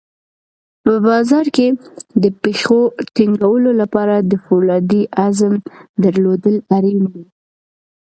په بازار کې د پښو ټینګولو لپاره د فولادي عزم درلودل اړین دي.